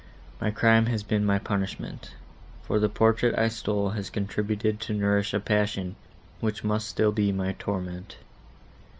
My crime has been my punishment; for the portrait I stole has contributed to nourish a passion, which must still be my torment."